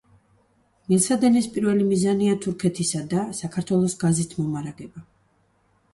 მილსადენის პირველი მიზანია თურქეთისა და საქართველოს გაზით მომარაგება.